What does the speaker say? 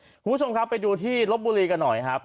คุณผู้ชมครับไปดูที่ลบบุรีกันหน่อยครับ